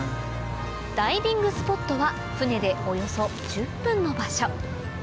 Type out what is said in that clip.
ダイビングスポットは船でおよそ１０分の場所